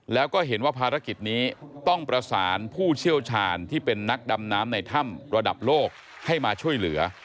แล้วก็เห็นว่าภารกิจนี้ต้องประสานผู้เชี่ยวชาญที่เป็นนักดำน้ำในถ้ำระดับโลกให้มาช่วยเหลือ